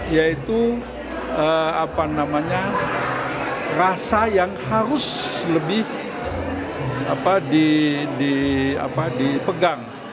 yaitu rasa yang harus lebih dipegang